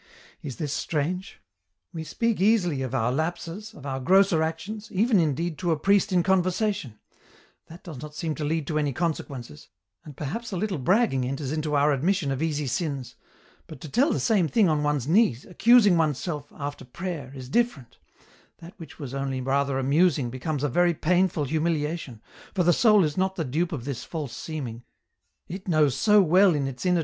" Is this strange ? We speak easily of our lapses, of our grosser actions, even, indeed, to a priest in conversation, that does not seem to lead to any consequences, and perhaps a little bragging enters into our admission of easy sins, but to tell the same thing on one's knees, accusing oneself, after prayer, is different, that which was only rather amusing becomes a very painful humiliation, for the soul is not the dupe of this false seeming, it knows so well in its innei EN ROUTE.